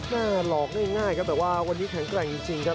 หลอกง่ายครับแต่ว่าวันนี้แข็งแกร่งจริงครับ